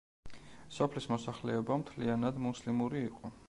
სოფლის მოსახლეობა მთლიანად მუსლიმური იყო.